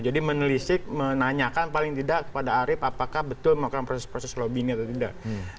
jadi menelisik menanyakan paling tidak kepada arief apakah betul melakukan proses proses lobbying atau tidak